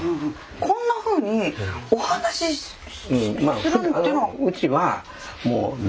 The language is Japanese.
こんなふうにお話しするっていうのは。